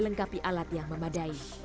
melengkapi alat yang memadai